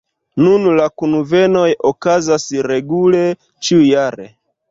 Nun la kunvenoj okazas regule ĉiujare.